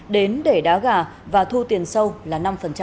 đến để đá gà và thu tiền sâu là năm